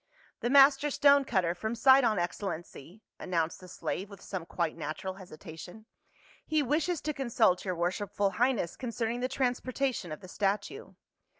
"The master stone cutter from Sidon, excellency !" announced the slave with some quite natural hesita tion. " He wishes to consult your worshipful highness concerning the transportation of the statue."